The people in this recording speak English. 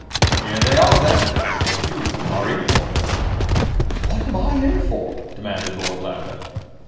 "Here they are, then, and you are in for it." "What am I in for?" demanded Lord Lambeth.